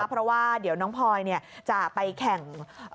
เพราะว่าเดี๋ยวน้องพลอยจะไปแข่ง